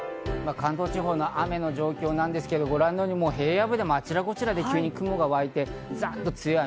関東地方の雨の状況ですが、ご覧のように平野部でもあちらこちらで急に雲が沸いて、ざっと強い雨。